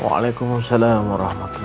waalaikumsalam warahmatullahi wabarakatuh